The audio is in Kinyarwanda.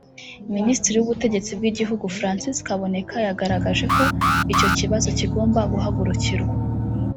Minisitiri w’Ubutegetsi bw’Igihugu Francis Kaboneka yagaragaje ko icyo kibazo kigomba guhagurukirwa